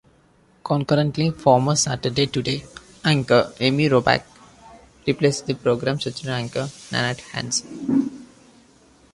Concurrently, former "Saturday Today" anchor Amy Robach replaced the program's original anchor Nanette Hansen.